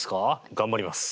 頑張ります。